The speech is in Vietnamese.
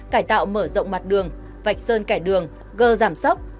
cải tạo mở rộng mặt đường vạch sơn cải đường gờ giảm sốc